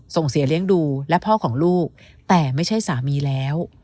ส่งเสียเลี้ยงดูและพ่อของลูกแต่ไม่ใช่สามีแล้ว